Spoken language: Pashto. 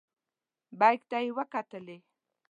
بیک ته یې وکتلې.